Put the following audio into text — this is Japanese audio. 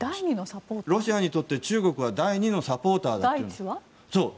ロシアにとって中国は第２のサポーターだと。